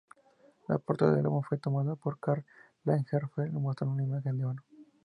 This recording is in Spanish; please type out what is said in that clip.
La portada del álbum fue tomada por Karl Lagerfeld mostrando una imagen de Ono.